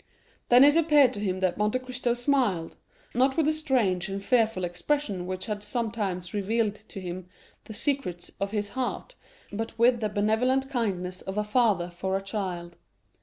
Then it appeared to him that Monte Cristo smiled, not with the strange and fearful expression which had sometimes revealed to him the secrets of his heart, but with the benevolent kindness of a father for a child.